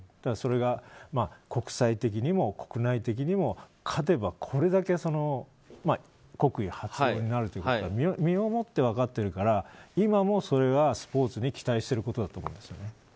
それが、国際的にも国内的にも勝てばこれだけ国威発揚になるということが身をもって分かっているから今もそれがスポーツに期待しているとこだと思うんです。